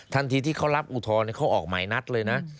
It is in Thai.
ที่เขารับอุทธรณ์เขาออกหมายนัดเลยนะ